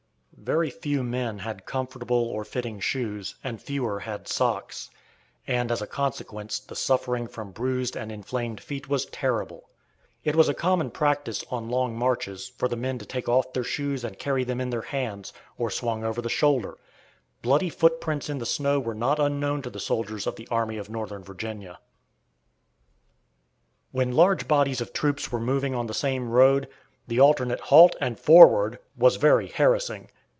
Very few men had comfortable or fitting shoes, and fewer had socks, and, as a consequence, the suffering from bruised and inflamed feet was terrible. It was a common practice, on long marches, for the men to take off their shoes and carry them in their hands or swung over the shoulder. Bloody footprints in the snow were not unknown to the soldiers of the Army of Northern Virginia! When large bodies of troops were moving on the same road, the alternate "halt" and "forward" was very harassing.